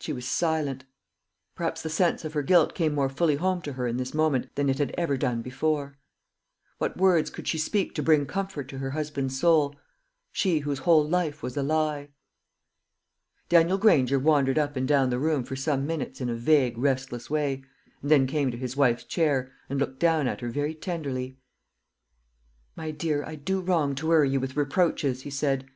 She was silent. Perhaps the sense of her guilt came more fully home to her in this moment than it had ever done before. What words could she speak to bring comfort to her husband's soul she whose whole life was a lie? Daniel Granger wandered up and down the room for some minutes in a vague restless way, and then came to his wife's chair, and looked down at her very tenderly. "My dear, I do wrong to worry you with reproaches," he said.